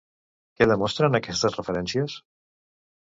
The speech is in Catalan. Què demostren aquestes referències?